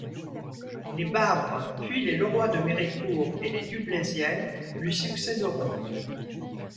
Les Bavre puis les Leroy de Méricourt et les Du Blaisiel lui succèderont.